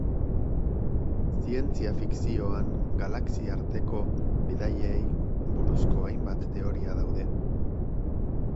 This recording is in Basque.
Zientzia-fikzioan galaxiarteko bidaiei buruzko hainbat teoria daude.